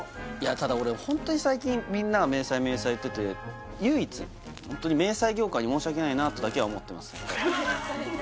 ただ俺ホントに最近みんなが迷彩迷彩言ってて唯一ホントに迷彩業界に申し訳ないなとだけは思ってます